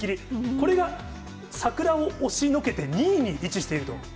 これが桜を押しのけて２位に位置していると。